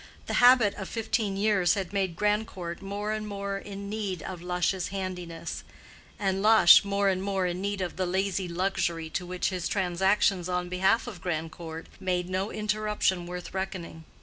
The habit of fifteen years had made Grandcourt more and more in need of Lush's handiness, and Lush more and more in need of the lazy luxury to which his transactions on behalf of Grandcourt made no interruption worth reckoning.